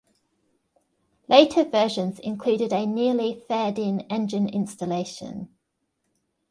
Later versions included a nearly faired-in engine installation.